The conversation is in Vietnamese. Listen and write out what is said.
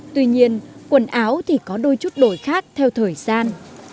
tuy nhiên quần áo thì có đôi chút đổi khác theo thời gian